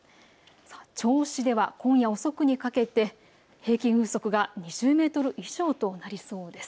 銚子では今夜遅くにかけて平均風速が２０メートル以上となりそうです。